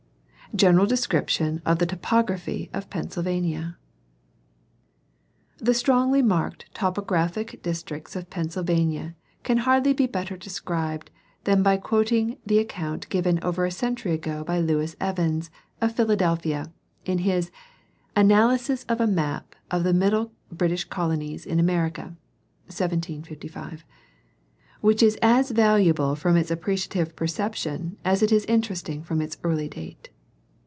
General description of the topography of Pennsylvania. — The strongly marked topographic districts of Pennsylvania can hardly be better described than by quoting the account given over a century ago by Lewis Evans, of Philadelphia, in his " Analysis of a map of the middle British colonies in America " (1755), which is as valuable from its appreciative perception as it is interesting from its early date.